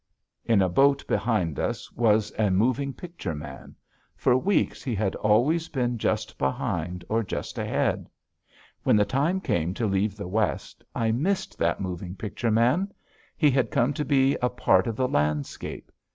In a boat behind us was a moving picture man. For weeks he had always been just behind or just ahead. When the time came to leave the West, I missed that moving picture man. He had come to be a part of the landscape.